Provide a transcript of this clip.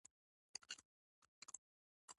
پسه له تندې تيګا وهي.